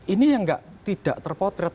ini yang tidak terpotret